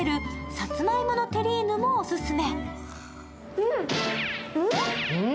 さつまいものテリーヌもオススメ。